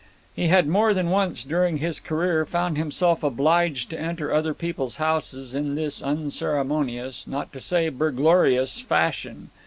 He had more than once during his career found himself obliged to enter other people's houses in this unceremonious, not to say burglarious fashion.